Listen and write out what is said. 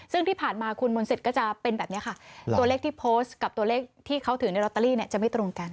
ซึ่งที่ผ่านมาคุณมนต์สิทธิ์ก็จะเป็นแบบนี้ค่ะตัวเลขที่โพสต์กับตัวเลขที่เขาถือในลอตเตอรี่จะไม่ตรงกัน